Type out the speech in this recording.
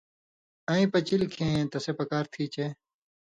اَیں پچِلیۡ کھیں تسے پکار تھی چے